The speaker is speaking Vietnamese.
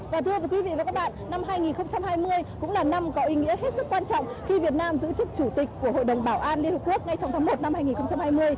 và thưa quý vị và các bạn năm hai nghìn hai mươi cũng là năm có ý nghĩa hết sức quan trọng khi việt nam giữ chức chủ tịch của hội đồng bảo an liên hợp quốc ngay trong tháng một năm hai nghìn hai mươi